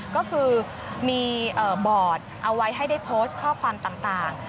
ก็คือมีบอร์ดเอาไว้ให้ได้โพสต์ข้อความต่าง